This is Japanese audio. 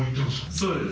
そうです。